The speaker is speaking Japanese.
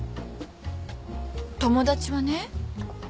友達はね